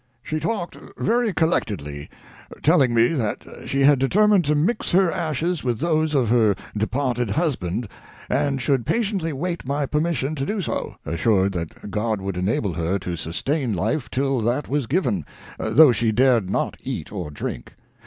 "She talked very collectedly, telling me that she had determined to mix her ashes with those of her departed husband, and should patiently wait my permission to do so, assured that God would enable her to sustain life till that was given, though she dared not eat or drink.